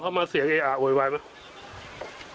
พอเข้ามาเสียงเหมือนเออยวายไหม